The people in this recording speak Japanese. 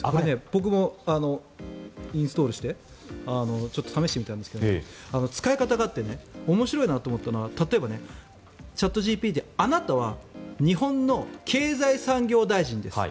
僕もインストールしてちょっと試してみたんですけど使い方があって面白いなと思ったのは例えば、チャットＧＰＴってあなたは日本の経済産業大臣です。